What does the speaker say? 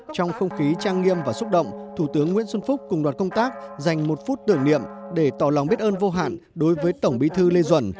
trong không khí trang nghiêm và xúc động thủ tướng nguyễn xuân phúc cùng đoàn công tác dành một phút tưởng niệm để tỏ lòng biết ơn vô hạn đối với tổng bí thư lê duẩn